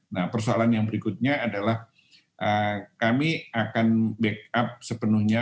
nah persoalan yang berikutnya adalah kami akan backup sepenuhnya